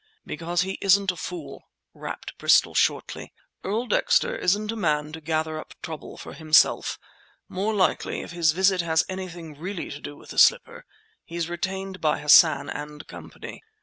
"Because he isn't a fool," rapped Bristol shortly. "Earl Dexter isn't a man to gather up trouble for himself. More likely if his visit has anything really to do with the slipper he's retained by Hassan and Company.